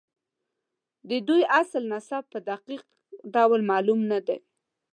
د دوی اصل نسب په دقیق ډول معلوم نه دی.